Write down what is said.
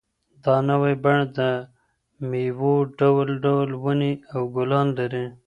دا نوی بڼ د مېوو ډول ډول ونې او ګلان لري.